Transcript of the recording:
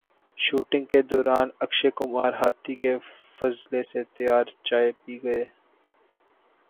shooting کے دوران اکشے کمار ہاتھی کے فضلے سے تیار چائے پی گئے